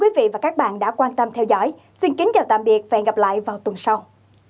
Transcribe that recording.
quý vị và các bạn đã quan tâm theo dõi xin kính chào tạm biệt và hẹn gặp lại vào tuần sau